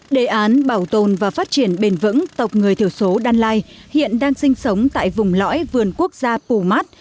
đề án bảo tồn và phát triển bền vững tộc người thiểu số đan lai hiện đang sinh sống tại vùng lõi vườn quốc gia pù mát